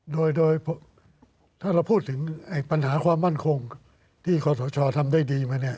โดยถ้าเราพูดถึงปัญหาความมั่นคงที่ขอสชทำได้ดีมาเนี่ย